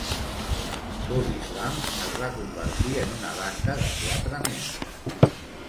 Bodyslam es va convertir en una banda de quatre membres.